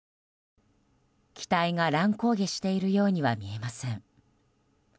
機体が乱高下しているようには見えません。